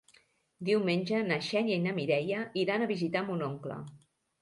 Diumenge na Xènia i na Mireia iran a visitar mon oncle.